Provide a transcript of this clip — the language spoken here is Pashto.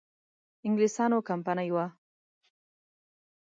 انګلیسیانو کمپنی وه.